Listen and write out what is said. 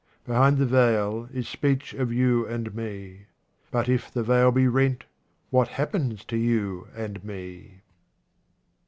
Behind the veil is speech of you and me. But if the veil be rent, what happens to you and me